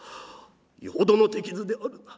よほどの手傷であるな。